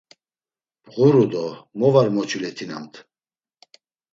Bğuru do mo var moçulet̆inamt!